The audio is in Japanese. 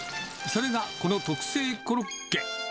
それがこの特製コロッケ。